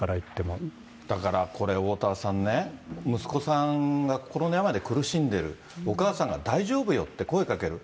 だからこれ、おおたわさんね、息子さんが心の病で苦しんでいる、お母さんが大丈夫よって声かける。